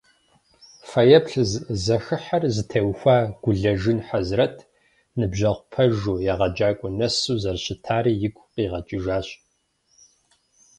Фэеплъ зэхыхьэр зытеухуа Гулэжын Хьэзрэт ныбжьэгъу пэжу, егъэджакӏуэ нэсу зэрыщытари игу къигъэкӏыжащ.